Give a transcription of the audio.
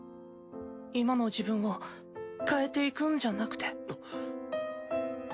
今の自分を変えていくんじゃなくて？